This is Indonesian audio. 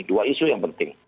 dua isu yang penting